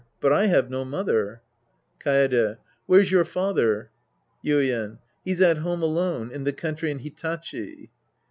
But I have no mother. Kaede. Where's your father ? Yuien. He's at home alone. In the country in Hitachi.